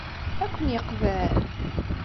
Ad ken-yeqbel?